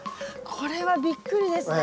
これはびっくりですね。